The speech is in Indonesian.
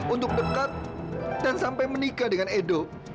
untuk dekat dan sampai menikah dengan edo